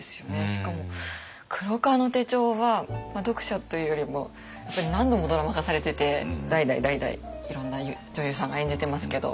しかも「黒革の手帖」は読者というよりも何度もドラマ化されてて代々代々いろんな女優さんが演じてますけど。